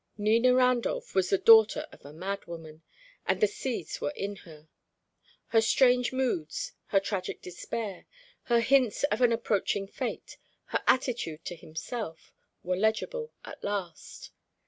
Nina Randolph was the daughter of a madwoman, and the seeds were in her. Her strange moods, her tragic despair, her hints of an approaching fate, her attitude to himself, were legible at last.